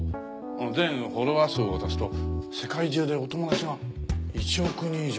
全フォロワー数を足すと世界中でお友達が１億人以上いるとかいないとか。